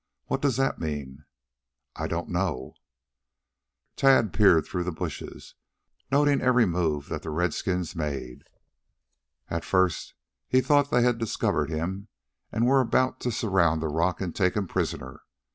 What does that mean?" "I don't know." Tad peered through the bushes, noting every move that the redskins made. At first he thought they had discovered him and were about to surround the rock and take him prisoner.